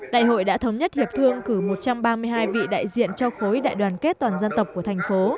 đại hội đã thống nhất hiệp thương cử một trăm ba mươi hai vị đại diện cho khối đại đoàn kết toàn dân tộc của thành phố